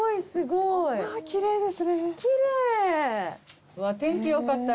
すごい。